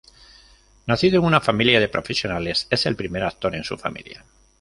Nacido en una familia de profesionales, es el primer actor en su familia.